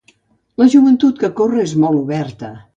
La joventut que corre és molt oberta.